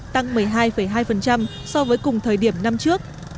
tăng một mươi hai hai so với cùng thời điểm năm trước